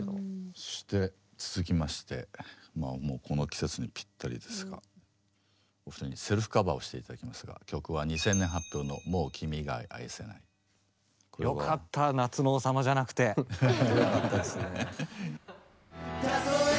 そして続きましてまあもうこの季節にぴったりですがお二人にセルフカバーをして頂きますが曲は２０００年発表のよかった「夏の王様」じゃなくて。フフッほんとよかったですねえ。